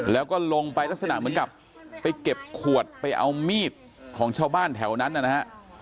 แล้วก็ลงไปลักษณะเหมือนกับไปเก็บขวดไปเอามีดของชาวบ้านแถวนั้นนะฮะ